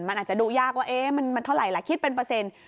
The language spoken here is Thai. มันอาจจะดูยากว่ามันเท่าไหร่ล่ะคิดเป็นเปอร์เซ็นต์